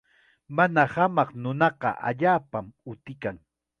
Mana hamaq nunaqa allaapam utikan.